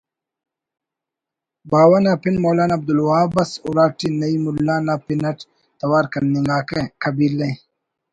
باوہ نا پن مولانا عبدالوہاب ئس اُراٹی نعیم اللہ نا پِن اٹ توار کننگاکہ قبیلہ